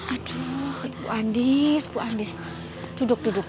aduh ibu andis ibu andis duduk duduk